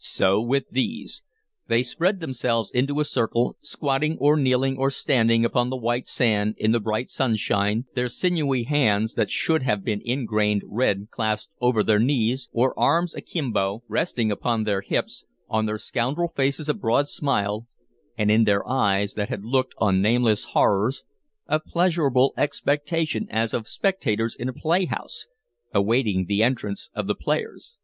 So with these. They spread themselves into a circle, squatting or kneeling or standing upon the white sand in the bright sunshine, their sinewy hands that should have been ingrained red clasped over their knees, or, arms akimbo, resting upon their hips, on their scoundrel faces a broad smile, and in their eyes that had looked on nameless horrors a pleasurable expectation as of spectators in a playhouse awaiting the entrance of the players.